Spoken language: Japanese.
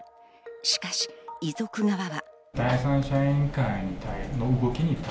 しかし、遺族側は。